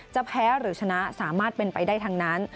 แพ้หรือชนะสามารถเป็นไปได้ทั้งนั้น